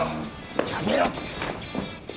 やめろって。